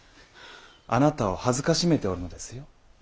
あなたを辱めておるのですよ。